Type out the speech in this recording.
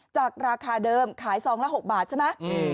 จากราคาเดิมขายซองละ๖บาทใช่ไหม